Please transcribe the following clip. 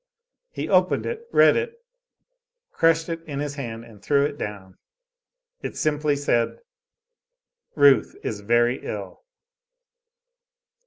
He opened it, read it, crushed it in his hand and threw it down. It simply said: "Ruth is very ill."